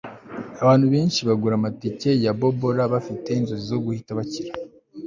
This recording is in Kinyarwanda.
Abantu benshi bagura amatike ya Bobobora bafite inzozi zo guhita bakira